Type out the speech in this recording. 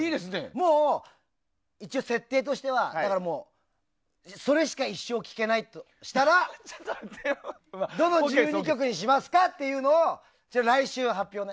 もう一応、設定としてはそれしか一生聴けないとしたらどの１２曲にしますかっていうのを来週、発表ね。